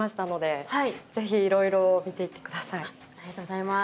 ありがとうございます。